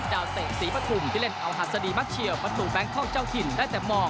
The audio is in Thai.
เตะศรีปฐุมที่เล่นเอาหัสดีมักเชียวประตูแบงคอกเจ้าถิ่นได้แต่มอง